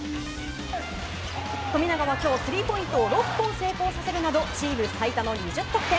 富永は今日スリーポイントを６本成功させるなどチーム最多の２０得点。